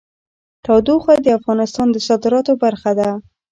تودوخه د افغانستان د صادراتو برخه ده.